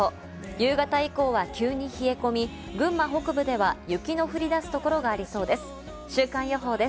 夕方以降は急に冷え込み群馬北部では雪の降り出す所がありそうで